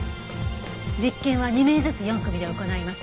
実験は２名ずつ４組で行います。